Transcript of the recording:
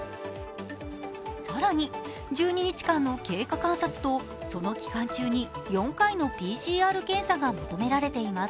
更に１２日間の経過観察と、その期間中に４回のＰＣＲ検査が求められています。